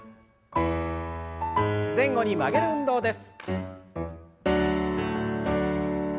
前後に曲げる運動です。